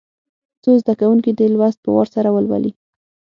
څو زده کوونکي دي لوست په وار سره ولولي.